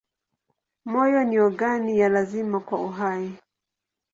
Moyo ni ogani ya lazima kwa uhai.